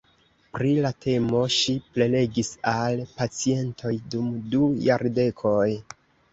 Pri la temo ŝi prelegis al pacientoj dum du jardekoj.